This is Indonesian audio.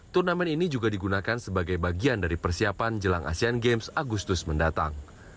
turnamen ini juga digunakan sebagai bagian dari persiapan jelang asean games agustus mendatang